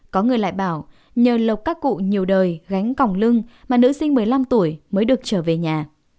có người lại bảo nhờ lọc các cụ nhiều đời gánh còng lưng mà nữ sinh một mươi năm tuổi mới được trở về nhà